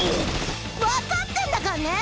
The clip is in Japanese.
分かってんだからね